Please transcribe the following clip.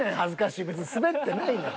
別にスベってないねん。